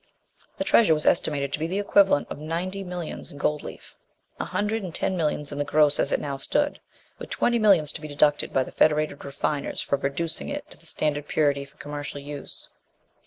The treasure was estimated to be the equivalent of ninety millions in gold leaf. A hundred and ten millions in the gross as it now stood, with twenty millions to be deducted by the Federated Refiners for reducing it to the standard purity for commercial use.